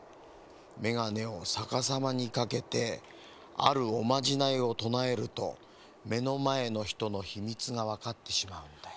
メガネをさかさまにかけてあるおまじないをとなえるとめのまえのひとのひみつがわかってしまうんだよ。